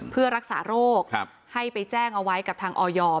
เพื่อรักษาโรคให้ไปแจ้งเอาไว้กับทางออย